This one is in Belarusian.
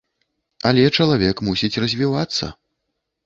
Але чалавек мусіць развівацца.